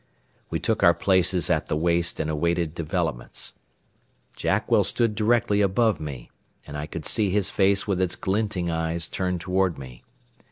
We took our places at the waist and awaited developments. Jackwell stood directly above me, and I could see his face with its glinting eyes turned toward me.